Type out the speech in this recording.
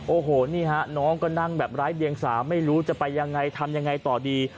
โอ้โหนี่ฮะน้องก็นั่งแบบไร้เดียงสาไม่รู้จะไปยังไงทำยังไงต่อดี